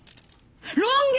ロン毛！